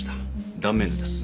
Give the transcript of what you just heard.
断面図です。